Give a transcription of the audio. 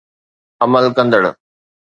عمل ڪندڙ